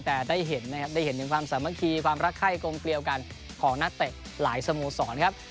แต่ได้เห็นนะครับได้เห็นถึงความสามัคคีความรักไข้กงเกลียวกันของนักเตะหลายสโมสรครับ